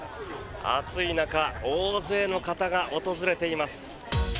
暑い中大勢の方が訪れています。